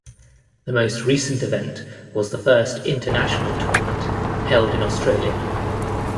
The most recent event was the first International tournament held in Australia.